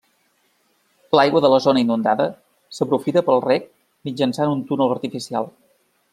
L'aigua de la zona inundada s'aprofita per al reg mitjançant un túnel artificial.